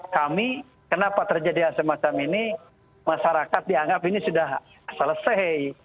kami kenapa terjadi hal semacam ini masyarakat dianggap ini sudah selesai